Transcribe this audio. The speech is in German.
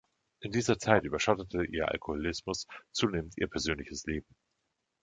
In dieser Zeit überschattete ihr Alkoholismus zunehmend ihr persönliches Leben.